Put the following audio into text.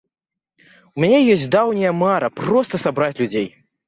У мяне ёсць даўняя мара проста сабраць людзей.